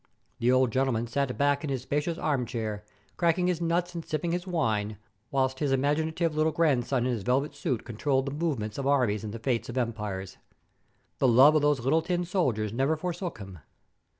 The old gentleman sat back in his spacious arm chair, cracking his nuts and sipping his wine, whilst his imaginative little grandson in his velvet suit controlled the movements of armies and the fates of empires. The love of those little tin soldiers never forsook him.